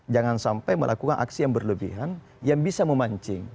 jangan sampai melakukan aksi yang berlebihan yang bisa memancing